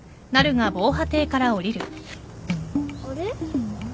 あれ？